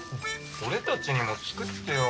俺たちにも作ってよ